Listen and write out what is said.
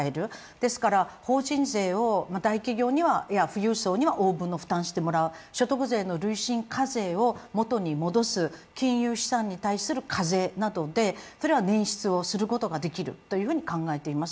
ですから法人税を大企業には富裕層には多く負担してもらう所得税の累進課税をもとに戻す金融資産に対する課税などでそれは捻出することができると考えています。